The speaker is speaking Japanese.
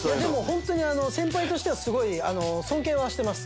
本当に先輩としてはすごい尊敬はしてます。